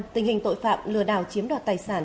tình hình tội phạm lừa đảo chiếm đoạt tài sản